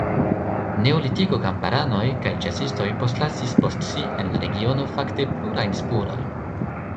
Neolitiko kamparanoj kaj ĉasistoj postlasis post si en la regiono fakte plurajn spurojn.